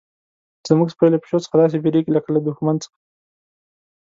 زموږ سپی له پیشو څخه داسې بیریږي لکه له دښمن څخه.